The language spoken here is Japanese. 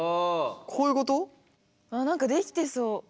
何かできてそう。